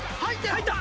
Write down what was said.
入った！